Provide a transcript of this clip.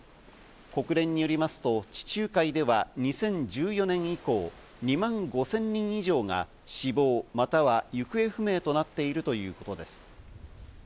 国連によりますと、地中海では２０１４年以降、２万５０００人以上が死亡または行方不明となっているということです。